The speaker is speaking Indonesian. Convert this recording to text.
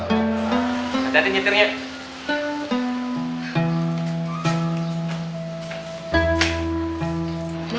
ayo datang ke jitirnya